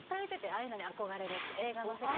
ああいうのに憧れるって映画の世界。